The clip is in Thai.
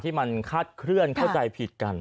ที่มันคาดเคลื่อนเข้าใจผิดกัน